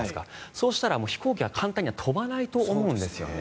そうしたら、飛行機は簡単には飛ばないと思うんですよね。